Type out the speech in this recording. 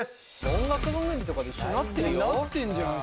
音楽番組とかで一緒になってるよ。